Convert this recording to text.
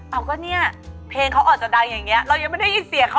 เอาล่ะนี่ก็เจ็ดสถานการณ์สมมุตินะคะ